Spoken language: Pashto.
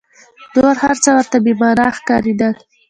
نور هر څه ورته بې مانا ښکارېدل.